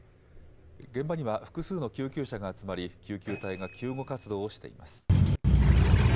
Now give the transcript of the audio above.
現場には複数の救急車が集まり救急隊が救護活動をしています。